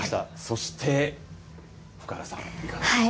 そして、お母さん、いかがでした？